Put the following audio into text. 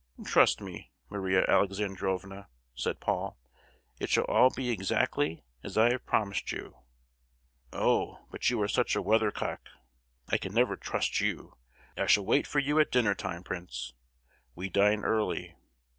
"Trust me, Maria Alexandrovna!" said Paul, "it shall all be exactly as I have promised you!" "Oh—but you're such a weathercock! I can never trust you! I shall wait for you at dinner time, Prince; we dine early.